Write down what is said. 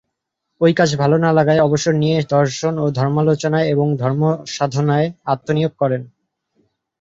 ওই কাজ ভালো না লাগায় অবসর নিয়ে দর্শন ও ধর্মালোচনায় এবং ধর্মসাধনায় আত্মনিয়োগ করেন।